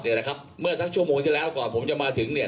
เนี่ยนะครับเมื่อสักชั่วโมงที่แล้วก่อนผมจะมาถึงเนี่ย